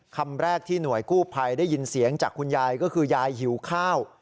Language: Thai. คำแรกที่หน่วยกู้ภัยได้ยินเสียงจากคุณยายก็คือยายหิวข้าว